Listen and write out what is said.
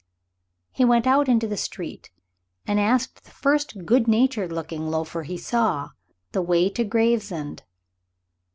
He went out into the street, and asked the first good natured looking loafer he saw the way to Gravesend.